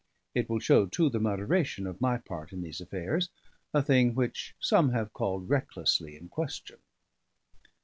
It will show, too, the moderation of my part in these affairs, a thing which some have called recklessly in question.